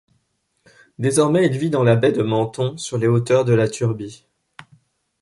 Désormais, il vit dans la baie de Menton, sur les hauteurs de La Turbie.